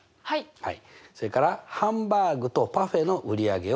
はい。